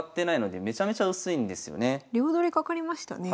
両取りかかりましたね。